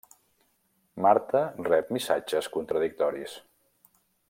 Marta rep missatges contradictoris.